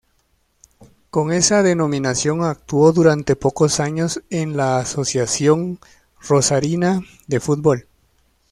Con esa denominación actuó durante pocos años en la Asociación Rosarina de Fútbol.